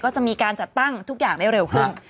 ก็จะมีการจัดตั้งทุกอย่างได้เร็วขึ้น